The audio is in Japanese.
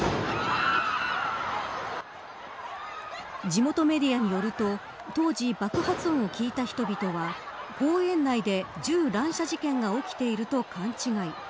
地元メディアによると当時、爆発音を聞いた人々は公園内で銃乱射事件が起きていると勘違い。